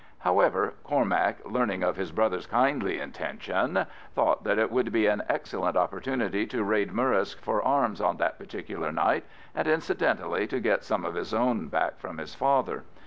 However, Cormac learning of his brother's kindly intention, thought that it would be an excellent opportunity to raid Murrisk for arms on that particular night, and incidentally to get some of his own back from his father.